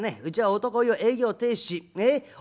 うちは男湯営業停止ねっ。